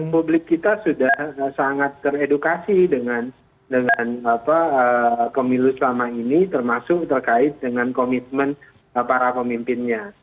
publik kita sudah sangat teredukasi dengan pemilu selama ini termasuk terkait dengan komitmen para pemimpinnya